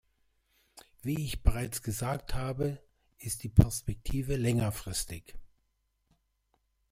Wie ich bereits gesagt habe, ist die Perspektive längerfristig.